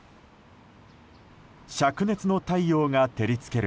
灼熱の太陽が照り付ける